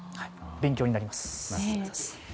勉強になります。